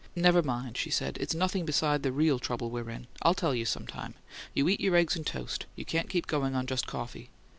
"Never mind," she said. "It's nothing beside the real trouble we're in I'll tell you some time. You eat your eggs and toast; you can't keep going on just coffee."